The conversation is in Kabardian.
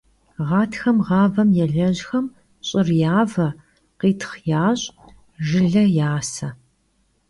Ğatxem ğavem yêlejxem ş'ır yave, khitxh yaş', jjıle yase.